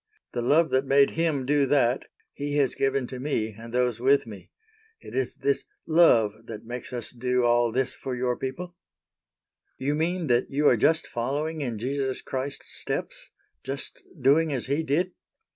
The love that made Him do that He has given to me and those with me. It is this LOVE that makes us do all this for your people." "You mean then that you are just following in Jesus Christ's steps—just doing as He did?"